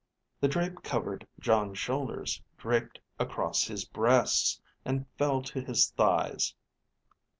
The drape covered Jon's shoulders, draped across his breasts, and fell to his thighs.